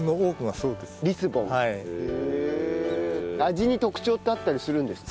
味に特徴ってあったりするんですか？